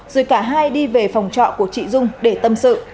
rồi cả hai đi về phòng trọ của chị dung để tâm sự